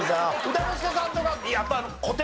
歌之助さんとかやっぱ。